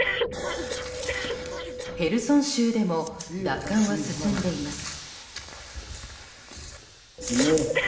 ヘルソン州でも奪還は進んでいます。